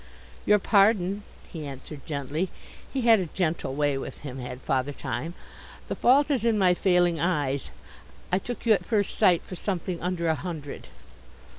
"Your pardon," he answered gently he had a gentle way with him, had Father Time. "The fault is in my failing eyes. I took you at first sight for something under a hundred."